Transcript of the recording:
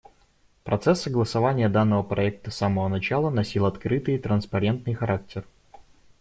Процесс согласования данного проекта с самого начала носил открытый и транспарентный характер.